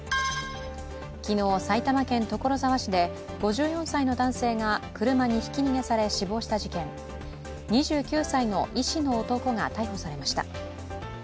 昨日、埼玉県所沢市で５４歳の男性が車にひき逃げされ死亡した事件２９歳の医師の男が逮捕されました。